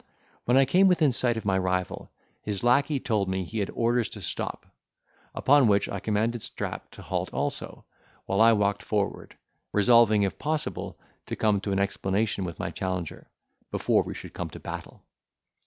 When I came within sight of my rival, his lacquey told me he had orders to stop; upon which I commanded Strap to halt also, while I walked forward; resolving, if possible, to come to an explanation with my challenger, before we should come to battle.